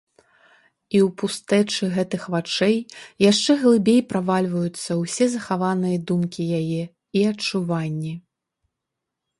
І ў пустэчы гэтых вачэй яшчэ глыбей правальваюцца ўсе захаваныя думкі яе і адчуванні.